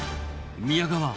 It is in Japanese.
宮川